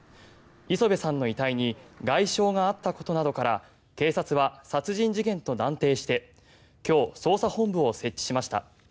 礒邊さんの遺体に外傷があったことなどから警察は殺人事件と断定して今日、捜査本部を設置しました。